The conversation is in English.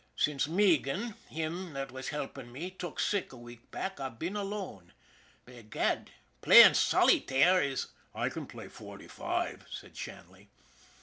Since Meegan, him that was helpin' me, tuk sick a week back, I've been alone. Begad, playin' solytare is "" I can play forty five," said Shanley.